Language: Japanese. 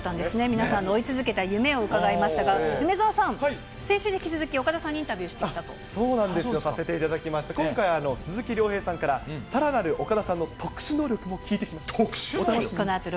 皆さんの追い続けた夢を伺いましたが、梅澤さん、先週に引き続き岡田さそうなんですよ、させていただきまして、今回は鈴木亮平さんからさらなる岡田さんの特殊能力特殊能力？